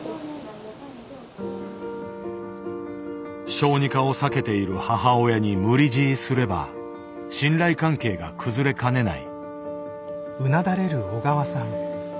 小児科を避けている母親に無理強いすれば信頼関係が崩れかねない。